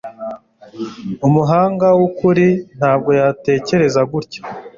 Umuhanga wukuri ntabwo yatekereza gutya